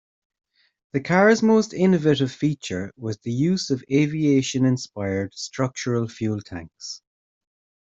The car's most innovative feature was the use of aviation-inspired structural fuel tanks.